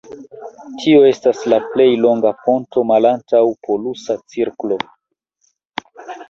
Tio estas la plej longa ponto malantaŭ polusa cirklo.